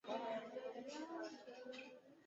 北极地区有多种定义。